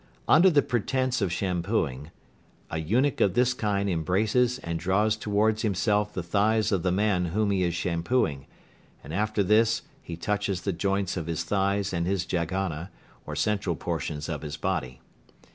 Under the pretence of shampooing, an eunuch of this kind embraces and draws towards himself the thighs of the man whom he is shampooing, and after this he touches the joints of his thighs and his jaghana, or central portions of his body.